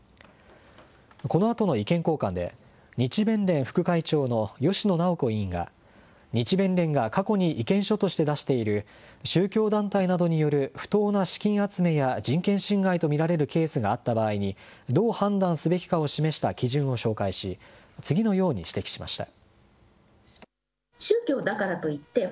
このあとの意見交換で、日弁連副会長の芳野直子委員が、日弁連が過去に意見書として出している、宗教団体などによる不当な資金集めや人権侵害と見られるケースがあった場合に、どう判断すべきかを示した基準を紹介し、次のように指摘しました。